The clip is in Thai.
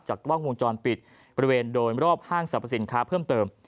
กล้องวงจรปิดบริเวณโดยรอบห้างสรรพสินค้าเพิ่มเติม